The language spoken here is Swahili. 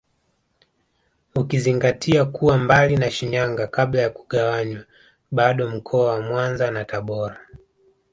Ukizingatia kuwa mbali na Shinyanga kabla ya kugawanywa bado mkoa wa Mwanza na Tabora